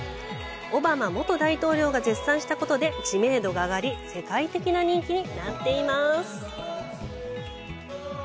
オバマ元大統領が絶賛したことで知名度が上がり世界的な人気になっています。